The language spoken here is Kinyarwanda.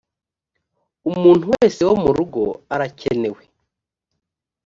umuntu wese wo mu rugo arakenewe